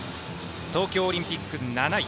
東京オリンピック７位